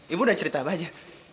ibu udah cerita apa aja